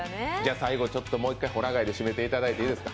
最後にほら貝で締めていただいていいですか？